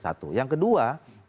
satu yang kedua